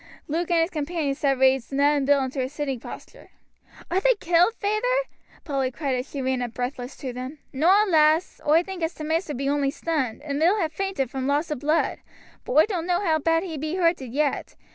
Luke and his companions had raised Ned and Bill into a sitting posture. "Are they killed, feyther?" Polly cried as she ran up breathless to them. "Noa, lass; oi think as t' maister be only stunned, and Bill ha' fainted from loss o' blood. But oi doan't know how bad he be hurted yet.